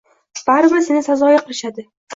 Baribir seni sazoyi qilishadi.